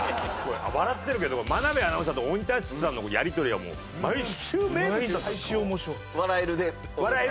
笑ってるけど真鍋アナウンサーと大仁田厚さんのやり取りはもう毎週名物だった。